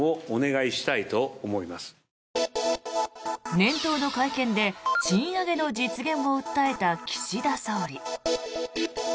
年頭の会見で賃上げの実現を訴えた岸田総理。